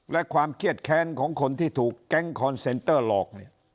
และความเครียดแค้นของคนที่ถูกแก๊งคอนเซนเตอร์หลอกเนี่ย